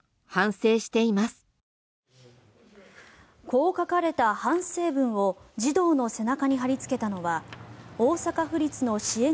こう書かれた反省文を児童の背中に貼りつけたのは大阪府立の支援